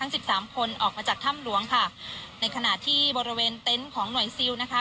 สิบสามคนออกมาจากถ้ำหลวงค่ะในขณะที่บริเวณเต็นต์ของหน่วยซิลนะคะ